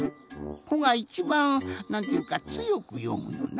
「ほ」がいちばんなんていうかつよくよむよな。